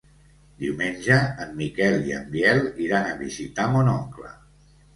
Diumenge en Miquel i en Biel iran a visitar mon oncle.